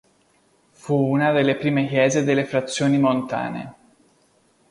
Fu una delle prime chiese delle frazioni montane.